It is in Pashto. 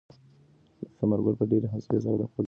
ثمرګل په ډېرې حوصلې سره د خپل زوی پوښتنو ته ځواب ورکاوه.